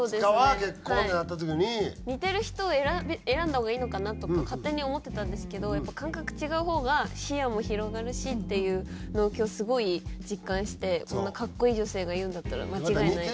似てる人を選んだ方がいいのかなとか勝手に思ってたんですけどやっぱ感覚違う方が視野も広がるしっていうのを今日すごい実感してこんな格好いい女性が言うんだったら間違いない。